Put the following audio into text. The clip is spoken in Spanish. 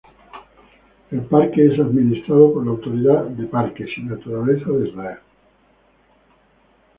El parque es administrado por la autoridad de parques y naturaleza de Israel.